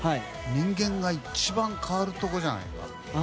人間が一番変わるところじゃないか。